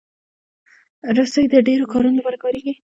رسۍ د ډیرو کارونو لپاره کارېږي.